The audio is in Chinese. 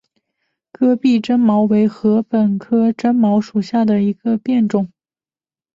戈壁针茅为禾本科针茅属下的一个变种。